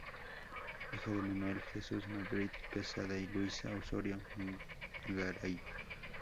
Hijo de Manuel Jesús Madrid Quezada y Luisa Osorio Garay.